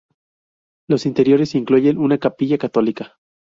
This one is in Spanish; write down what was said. Los interiores incluyen una capilla católica.